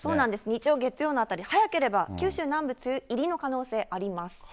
日曜、月曜のあたり、早ければ九州南部、梅雨入りの可能性あります。